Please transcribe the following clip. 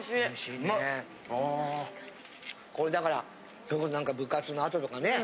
これだからそれこそなんか部活の後とかね